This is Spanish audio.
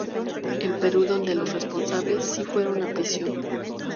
En Perú donde los responsables si fueron a prisión.